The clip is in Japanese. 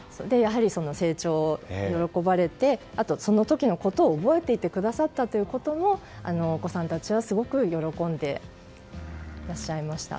成長を喜ばれてあと、その時のことを覚えていてくださったということもお子さんたちはすごく喜んでらっしゃいました。